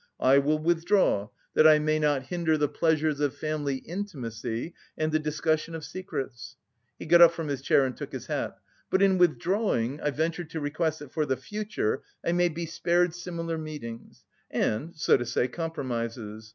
I will withdraw, that I may not hinder the pleasures of family intimacy, and the discussion of secrets." He got up from his chair and took his hat. "But in withdrawing, I venture to request that for the future I may be spared similar meetings, and, so to say, compromises.